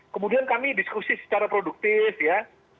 kemudian kami diskusi secara produktif ya